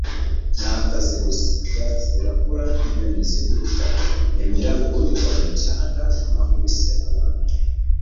Ni akazi gusa. Ibyatsi birakura, inyoni ziguruka, imiraba ikubita umucanga. Nakubise abantu. ”